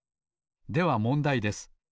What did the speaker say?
ではもんだいです。